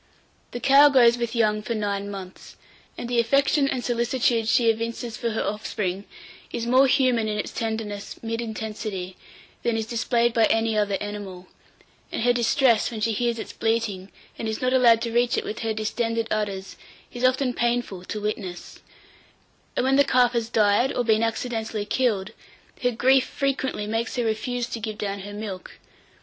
847. THE COW GOES WITH YOUNG FOR NINE MONTHS, and the affection and solicitude she evinces for her offspring is more human in its tenderness mid intensity than is displayed by any other animal; and her distress when she hears its bleating, and is not allowed to reach it with her distended udders, is often painful to witness, and when the calf has died, or been accidentally killed, her grief frequently makes her refuse to give down her milk.